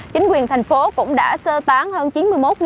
chính quyền thành phố cũng đã sơ tán hơn chín mươi một người